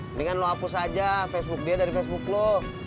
mendingan lo akus aja facebook dia dari facebook lo